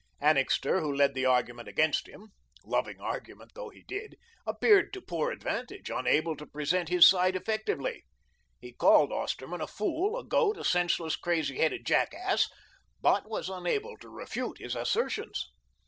Annixter, who led the argument against him loving argument though he did appeared to poor advantage, unable to present his side effectively. He called Osterman a fool, a goat, a senseless, crazy headed jackass, but was unable to refute his assertions.